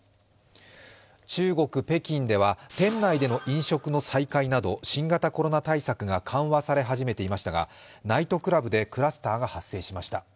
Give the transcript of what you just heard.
中国・北京では店内での飲食の再開など新型コロナ対策が緩和され始めていましたがナイトクラブでクラスターが発生しました。